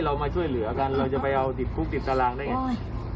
เรามาช่วยเหลือกันเราจะไปเอาติดคุกติดตารางได้ไง